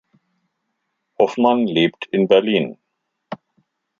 Hoffmann lebt in Berlin.